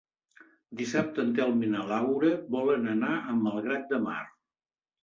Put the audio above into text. Dissabte en Telm i na Laura volen anar a Malgrat de Mar.